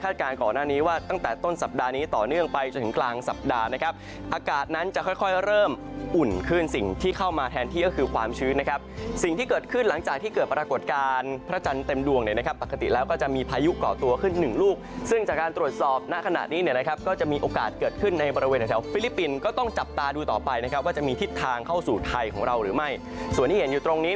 จนถึงกลางสัปดาห์นะครับอากาศนั้นจะค่อยเริ่มอุ่นขึ้นสิ่งที่เข้ามาแทนที่ก็คือความชีวิตนะครับสิ่งที่เกิดขึ้นหลังจากที่เกิดปรากฏการณ์พระจันทร์เต็มดวงนะครับปกติแล้วก็จะมีพายุเกาะตัวขึ้นหนึ่งลูกซึ่งจากการตรวจสอบหน้าขนาดนี้นะครับก็จะมีโอกาสเกิดขึ้นในบริเวณแถวฟิ